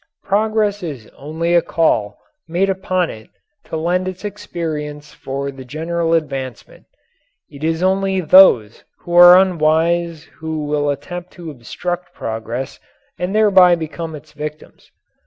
Progress is only a call made upon it to lend its experience for the general advancement. It is only those who are unwise who will attempt to obstruct progress and thereby become its victims.